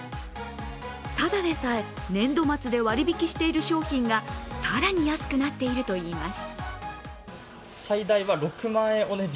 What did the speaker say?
ただでさえ、年度末で割引している商品が更に安くなっているといいます。